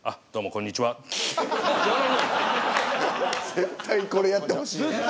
絶対これやってほしいのに。